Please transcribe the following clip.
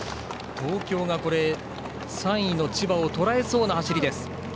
東京が３位の千葉をとらえそうな走り。